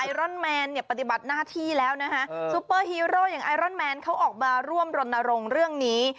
รอนแมนเนี่ยปฏิบัติหน้าที่แล้วนะคะซูเปอร์ฮีโร่อย่างไอรอนแมนเขาออกมาร่วมรณรงค์เรื่องนี้